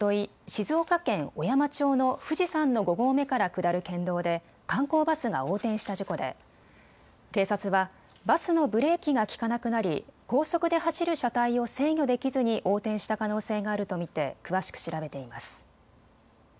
静岡県小山町の富士山の５合目から下る県道で観光バスが横転した事故で警察はバスのブレーキが利かなくなり高速で走る車体を制御できずに横転した可能性があると見て詳しく調べています。